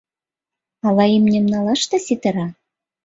Ала имньым налашда ситара.